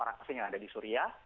orang asing yang ada di suria